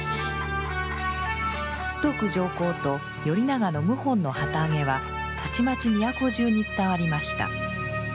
崇徳上皇と頼長の謀反の旗揚げはたちまち都じゅうに伝わりました。